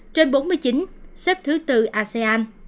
trên bốn mươi chín xếp thứ bốn asean